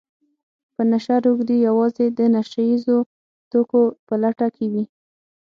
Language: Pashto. په نشه روږدي يوازې د نشه يیزو توکو په لټه کې وي